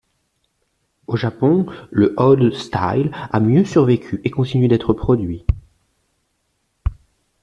Au Japon, le oldstyle à mieux survécu et continue d'être produit.